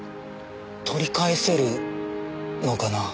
取り返せるのかな？